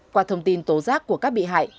qua thông tin tổ rác của các bị hại